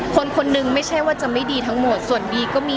คนคนนึงไม่ใช่ว่าจะไม่ดีทั้งหมดส่วนบีก็มี